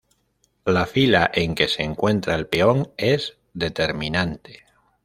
La fila en que se encuentra el peón es determinante.